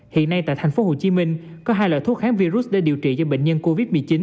hiện nay tại tp hcm có hai loại thuốc kháng virus để điều trị cho bệnh nhân covid một mươi chín